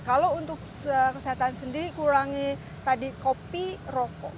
kalau untuk kesehatan sendiri kurangi tadi kopi rokok